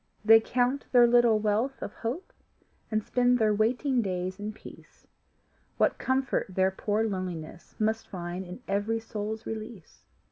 They count their little wealth of hope And spend their waiting days in peace, What comfort their poor loneliness Must find in every soul's release!